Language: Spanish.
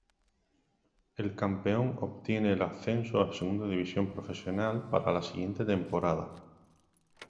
El campeón obtiene el ascenso a Segunda División Profesional para la siguiente temporada.